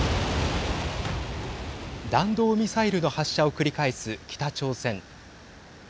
弾道ミサイルの発射を繰り返す北朝鮮。